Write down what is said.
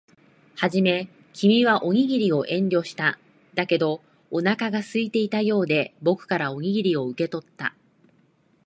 はじめ、君はおにぎりを遠慮した。だけど、お腹が空いていたようで、僕からおにぎりを受け取った。